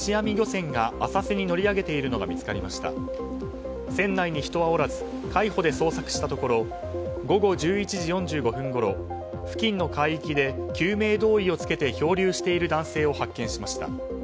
船内に人はおらず海保で捜索したところ午後１１時４５分ごろ付近の海域で救命胴衣を着けて漂流している男性を発見しました。